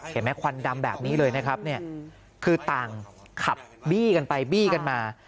เห็นไหมควันดำแบบนี้เลยนะครับเนี่ยคือต่างขับบี้กันไปบี้กันมา